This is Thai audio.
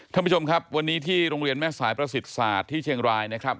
ท่านผู้ชมครับวันนี้ที่โรงเรียนแม่สายประสิทธิ์ศาสตร์ที่เชียงรายนะครับ